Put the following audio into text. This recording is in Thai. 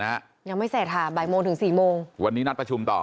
ยังไม่เสร็จค่ะบ่ายโมงถึงสี่โมงวันนี้นัดประชุมต่อ